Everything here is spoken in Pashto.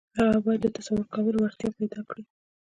هغه بايد د تصور کولو وړتيا پيدا کړي.